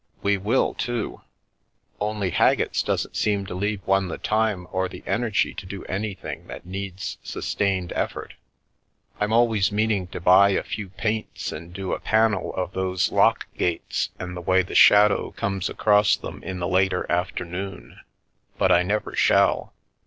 We will, too/' "Only Haggett's doesn't seem to leave one the time or the energy to do anything that needs sustained effort. I'm always meaning to buy a few paints and do a panel of those lock gates and the way the shadow comes across them in the later afternoon, but I never shall.